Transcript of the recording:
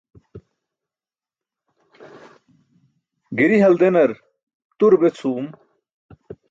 Giri haldenar tur be cʰuum.